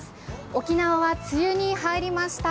沖縄は梅雨に入りました。